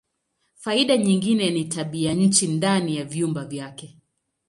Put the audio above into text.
Faida nyingine ni tabianchi ndani ya vyumba vyake.